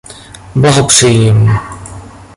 Blahopřeji jim.